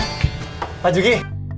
eh pak jugi